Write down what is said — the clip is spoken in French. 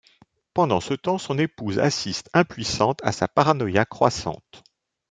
Pendant ce temps, son épouse assiste, impuissante, à sa paranoïa croissante.